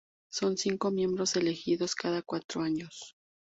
Son cinco miembros elegidos cada cuatro años.